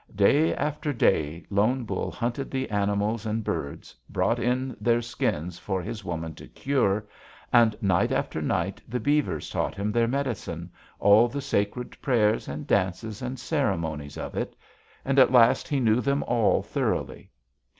"Day after day Lone Bull hunted the animals and birds, brought in their skins for his woman to cure, and night after night the beavers taught him their medicine, all the sacred prayers and dances and ceremonies of it. And at last he knew them all thoroughly.